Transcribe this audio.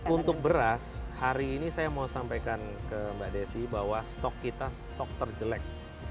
untuk beras hari ini saya mau sampaikan ke mbak desi bahwa stok kita stok terjelek